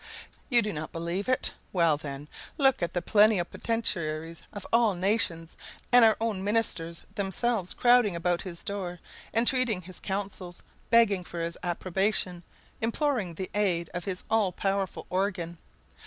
You do not believe it? Well, then, look at the plenipotentiaries of all nations and our own ministers themselves crowding about his door, entreating his counsels, begging for his approbation, imploring the aid of his all powerful organ.